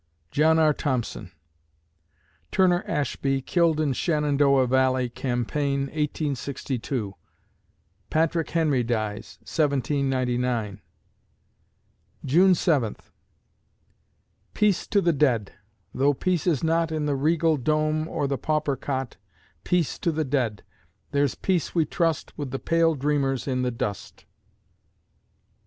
JOHN R. THOMPSON Turner Ashby killed in Shenandoah Valley Campaign, 1862 Patrick Henry dies, 1799 June Seventh Peace to the dead! though peace is not In the regal dome or the pauper cot; Peace to the dead! there's peace, we trust, With the pale dreamers in the dust.